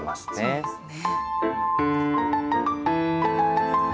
そうですね。